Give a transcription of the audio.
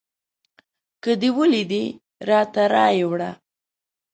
که دې ولیدی راته رایې وړه